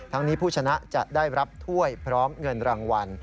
นี้ผู้ชนะจะได้รับถ้วยพร้อมเงินรางวัล